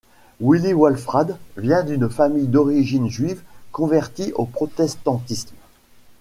Willi Wolfradt vient d'une famille d'origine juive convertie au protestantisme.